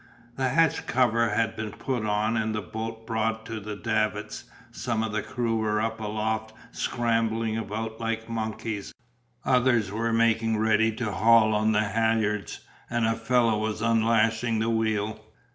The hatch cover had been put on and the boat brought to the davits, some of the crew were up aloft scrambling about like monkeys, others were making ready to haul on the halyards and a fellow was unlashing the wheel.